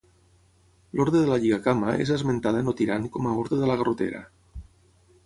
L’Orde de la Lligacama és esmentada en el Tirant com a Orde de la Garrotera.